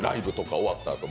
終わったらとか。